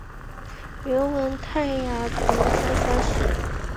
原为泰雅族芃芃社。